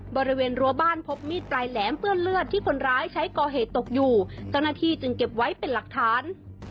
บริเวณรั้วบ้านพบมีดปลายแหลมเปื้อนเลือดที่คนร้ายใช้ก่อเหตุตกอยู่เจ้าหน้าที่จึงเก็บไว้เป็นหลักฐาน